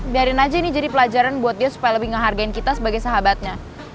biarin aja ini jadi pelajaran buat dia supaya lebih ngehargain kita sebagai sahabatnya